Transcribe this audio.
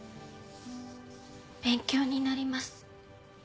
勉強になります。